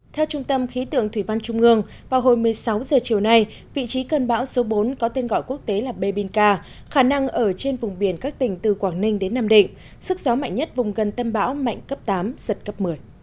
theo trung tâm khí tượng thủy văn trung ương vào hồi một mươi sáu h chiều nay vị trí cơn bão số bốn có tên gọi quốc tế là b binca khả năng ở trên vùng biển các tỉnh từ quảng ninh đến nam định sức gió mạnh nhất vùng gần tâm bão mạnh cấp tám giật cấp một mươi